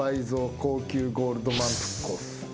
高級ゴールドまんぷくコース。